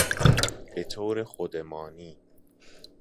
به طورخودمانی